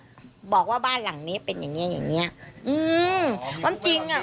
ก็บอกว่าบ้านหลังนี้เป็นอย่างนี้อืม